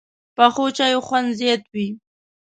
پخو چایو خوند زیات وي